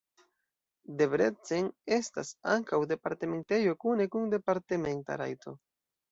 Debrecen estas ankaŭ departementejo kune kun departementa rajto.